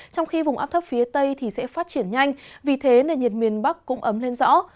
trong khi vùng áp thấp phía tây sẽ phát triển nhanh vì thế nền nhiệt miền bắc cũng ấm lên rõ